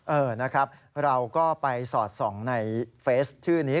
เออนะครับเราก็ไปสอดส่องในเฟสชื่อนี้